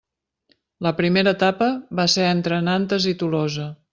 La primera etapa va ser entre Nantes i Tolosa.